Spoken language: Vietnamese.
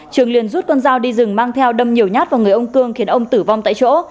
trường liền rút con dao đi rừng mang theo đâm nhiều nhát vào người ông cương khiến ông tử vong tại chỗ